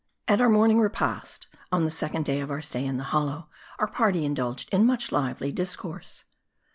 AT our morning repast on the second day of our stay in the hollow, our party indulged in much lively discourse.